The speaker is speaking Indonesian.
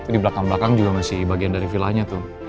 di belakang belakang juga masih bagian dari villanya tuh